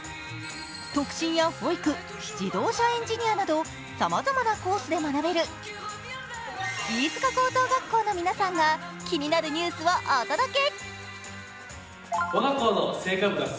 特進や保育、自動車エンジニアなどさまざまなコースで学べる飯塚高等学校の皆さんが気になるニュースをお届け。